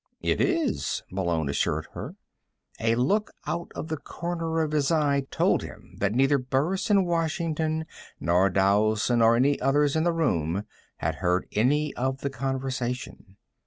"It is," Malone assured her. A look out of the corner of his eye told him that neither Burris, in Washington, nor Dowson or any others in the room, had heard any of the conversation.